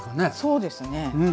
そうですね。